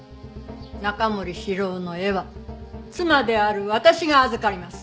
中森司郎の絵は妻である私が預かります。